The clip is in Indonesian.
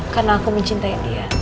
karena aku mencintai